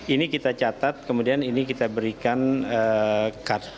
ini kita catat kemudian ini kita berikan card